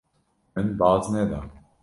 Min baz neda.